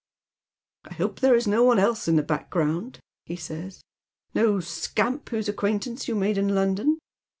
" I hope there is no one else in the background," he says, " no scamp whose acquaintance you made in London.